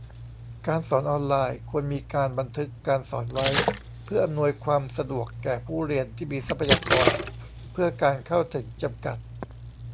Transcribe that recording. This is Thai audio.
การสอนออนไลน์ ควรมีการบันทึกการสอนไว้ เพื่ออำนวยความสะดวกแก่ผู้เรียนที่มีทรัพยากรเพื่อการเข้าถึงจำกัด